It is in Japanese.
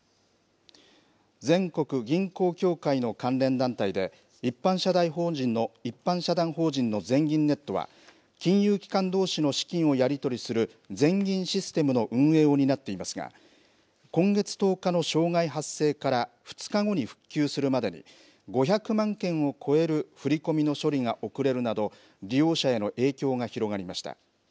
全国銀行協会の関連団体で、一般社団法人の全銀ネットは、金融機関どうしの資金をやり取りする全銀システムの運営を担っていますが、今月１０日の障害発生から２日後に復旧するまでに、５００万件を超える振り込みの処理が遅れるなど、利用者への影響が広がりました。